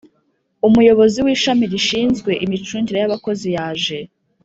Umuyobozi w’ishami rishinzwe Imicungire y’bakozi yaje